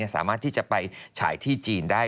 สามารถที่จะไปฉายที่จีนได้